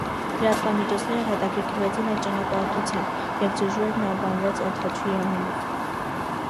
Լրատվամիջոցները հետաքրքրվեցին այդ ճանապարհորդությամբ, և ջրվեժն անվանվեց օդաչուի անունով։